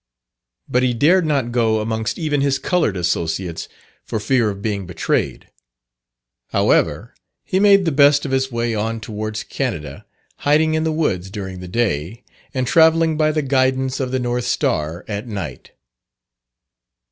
But he dared not go amongst even his coloured associates for fear of being betrayed. However, he made the best of his way on towards Canada, hiding in the woods during the day, and travelling by the guidance of the North Star at night.